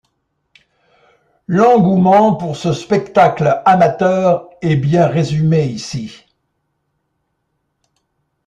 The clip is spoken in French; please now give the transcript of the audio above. L'engouement pour ce spectacle amateur est bien résumé ici.